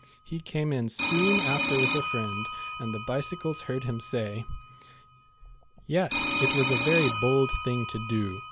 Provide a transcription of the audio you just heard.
He came in soon after with a friend, and the bicycles heard him say : "Yes, 't was a very bold thing to do.